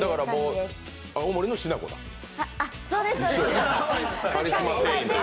だから青森のしなこだ、一緒だ。